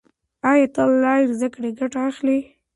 آیا ته له انلاین زده کړې ګټه اخلې؟